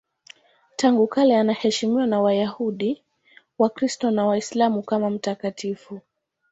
Tangu kale anaheshimiwa na Wayahudi, Wakristo na Waislamu kama mtakatifu.